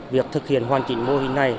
việc thực hiện hoàn chỉnh mô hình này